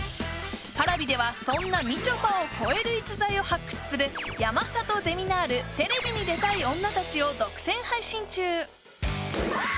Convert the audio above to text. Ｐａｒａｖｉではそんなみちょぱを超える逸材を発掘する「山里ゼミナールテレビに出たい女たち」を独占配信中あー！